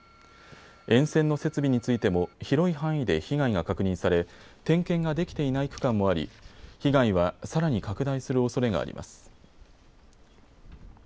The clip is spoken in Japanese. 沿線の設備についても広い範囲で被害が確認され点検ができていない区間もあり被害はさらに拡大するおそれがあります。